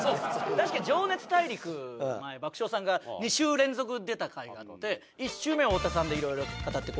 確か『情熱大陸』前爆笑さんが２週連続出た回があって１週目は太田さんで色々語ってこうしゃべった